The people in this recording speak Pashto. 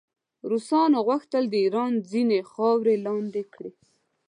روسانو غوښتل د ایران ځینې خاورې لاندې کړي.